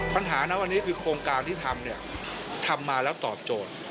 ปัญหานี้คือโครงการที่ทำทำมาแล้วตอบโจทย์